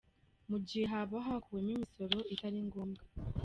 Mu gihe haba hakuweho imisoro itari ngombwa.